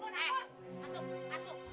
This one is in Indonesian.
eh masuk masuk masuk